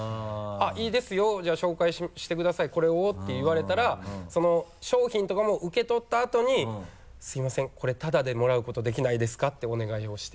「いいですよじゃあ紹介してくださいこれを」て言われたらその商品とかも受け取ったあとに「すみませんこれタダでもらうことできないですか？」ってお願いをして。